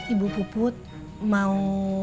ibu poput mau